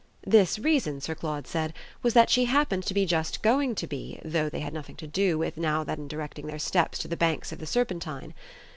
This reason, Sir Claude said, was that she happened to be just going to be, though they had nothing to do with that in now directing their steps to the banks of the Serpentine.